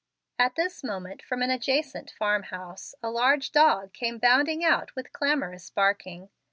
At this moment from an adjacent farm house, a large dog came bounding out with clamorous barking.